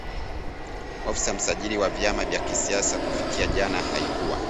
Ofisi ya msajili wa vyama vya kisiasa kufikia jana haikuwa